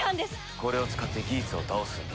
これを使ってギーツを倒すんだ。